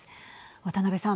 渡辺さん。